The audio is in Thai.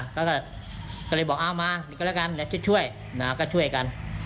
เขาก็เลยบอกเอามาก็แล้วกันเดี๋ยวจะช่วยนะก็ช่วยกัน